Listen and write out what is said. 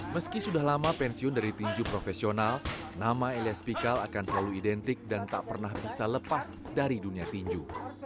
meski sudah lama pensiun dari tinju profesional nama elias pikal akan selalu identik dan tak pernah bisa lepas dari dunia tinju